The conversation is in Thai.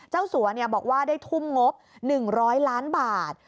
สัวบอกว่าได้ทุ่มงบ๑๐๐ล้านบาท